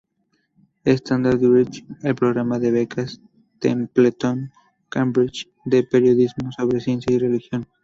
Stannard dirige el Programa de Becas Templeton-Cambridge de Periodismo sobre Ciencia y Religión.